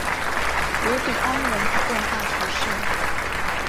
卢比安人口变化图示